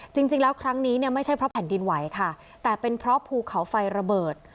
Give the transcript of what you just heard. จริงแล้วครั้งนี้เนี่ยไม่ใช่เพราะแผ่นดินไหวค่ะแต่เป็นเพราะภูเขาไฟระเบิด